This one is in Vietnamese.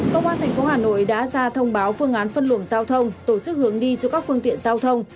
công an tp hà nội đã ra thông báo phương án phân luồng giao thông tổ chức hướng đi cho các phương tiện giao thông